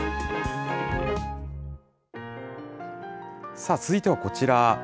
さあ、続いてはこちら。